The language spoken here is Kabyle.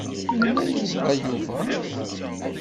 Melmi ay yeẓra Yuba?